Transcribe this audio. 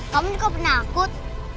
kamu juga penakut